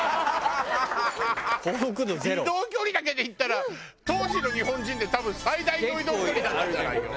移動距離だけで言ったら当時の日本人で多分最大の移動距離だったんじゃないの？